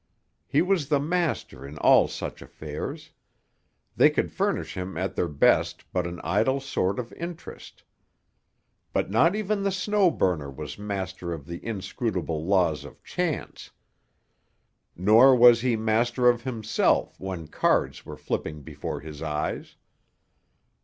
He was the master in all such affairs; they could furnish him at their best but an idle sort of interest. But not even the Snow Burner was master of the inscrutable laws of Chance. Nor was he master of himself when cards were flipping before his eyes.